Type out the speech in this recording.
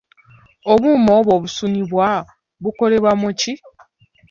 Obuuma obwo obusunibwa bukolebwa mu ki?